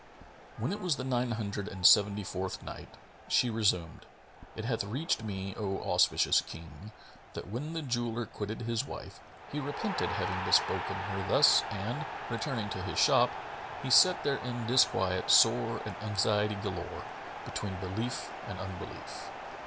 When it was the Nine Hundred and Seventy fourth Night, She resumed, It hath reached me, O auspicious King, that when the jeweller quitted his wife, he repented having bespoken her thus and, returning to his shop, he sat there in disquiet sore and anxiety galore, between belief and unbelief.